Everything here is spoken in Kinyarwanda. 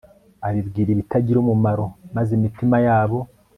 abibwira ibitagira umumaro maze imitima yabo